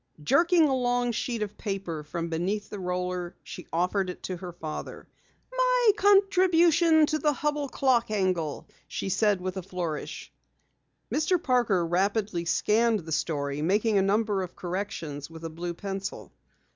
Jerking a long sheet of paper from beneath the roller, she offered it to her father. "My contribution on the Hubell Clock angle," she said with a flourish. Mr. Parker rapidly scanned the story, making a number of corrections with a blue pencil.